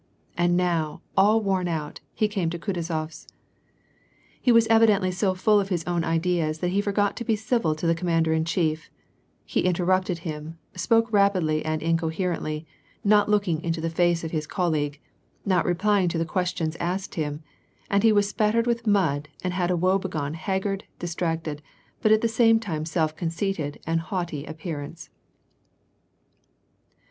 And now, all worn out, he came to Kutuzofs. He was evidently so full of his own ideas that he forgot to be civil to the commander in chief ; he interrupted him, spoke rapidly and incoherently, not looking into the face of his colleague, not replying to the questions asked him, and he was spattered with mud and had a woebegone haggard, dis tracted, but at the same time self conceited and haughty ap pearance.